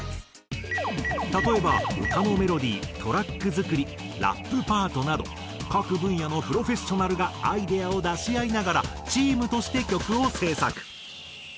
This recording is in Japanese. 例えば歌のメロディートラック作りラップパートなど各分野のプロフェッショナルがアイデアを出し合いながらチームとして曲を制作。